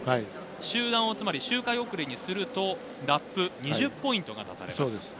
集団を周回遅れにするとラップ２０ポイントが足されます。